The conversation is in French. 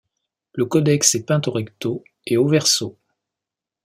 Le codex est peint au recto et au verso.